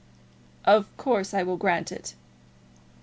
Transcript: "Of course I will grant it."